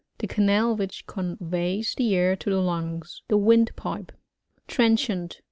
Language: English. The canal which conveys \ the air to the lungs. The windpipe. Trenchant.